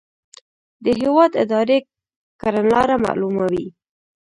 د هیواد اداري کړنلاره معلوموي.